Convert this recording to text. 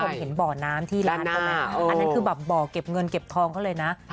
อันนั้นคือเบาะเก็บเงินเก็บทองเขาเลยนะ